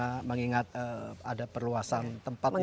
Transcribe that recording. ya tentu saja